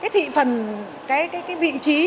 thị phần vị trí